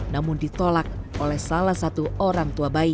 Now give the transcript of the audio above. namun ditolak oleh salah satu orang tua bayi